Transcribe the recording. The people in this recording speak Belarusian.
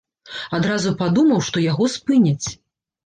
Адразу падумаў, што яго спыняць.